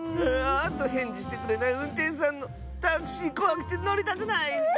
あとへんじしてくれないうんてんしゅさんのタクシーこわくてのりたくないッス！